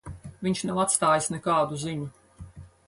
Viņš nav atstājis nekādu ziņu.